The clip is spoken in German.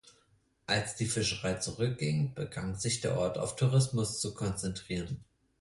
Als die Fischerei zurückging, begann sich der Ort auf Tourismus zu konzentrieren.